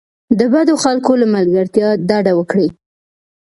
د بدو خلکو له ملګرتیا ډډه وکړئ.